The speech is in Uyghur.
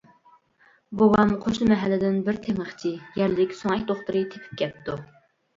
بوۋام قوشنا مەھەللىدىن بىر تېڭىقچى (يەرلىك سۆڭەك دوختۇرى) تېپىپ كەپتۇ.